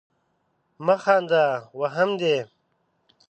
مه خانده ! وهم دي.